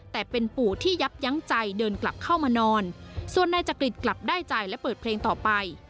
แต่เป็นปู่ที่ยับยั้งใจเดินกลับเข้ามานอนส่วนนายจักริตกลับได้ใจและเปิดเพลงต่อไป